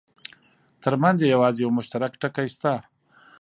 ترمنځ یې یوازې یو مشترک ټکی شته.